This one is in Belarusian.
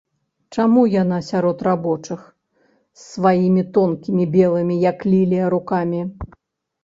Чаму яна сярод рабочых з сваімі тонкімі, белымі, як лілія, рукамі?